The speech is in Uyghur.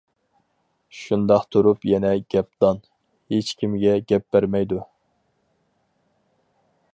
شۇنداق تۇرۇپ يەنە گەپدان، ھېچكىمگە گەپ بەرمەيدۇ.